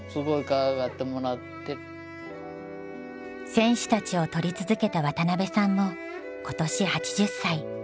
選手たちを撮り続けた渡邉さんも今年８０歳。